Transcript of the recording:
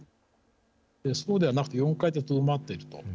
そうではなくて、４階でとどまっていると。